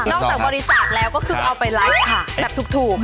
จากบริจาคแล้วก็คือเอาไปไลฟ์ค่ะแบบถูก